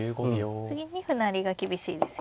次に歩成りが厳しいですよね。